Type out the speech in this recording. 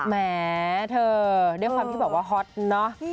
แหมเธอเดี๋ยวความที่บอกว่าฮอตเนอะ